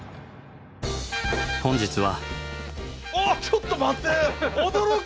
本日は。